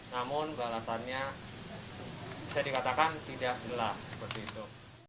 namun balasannya bisa dikatakan tidak jelas seperti itu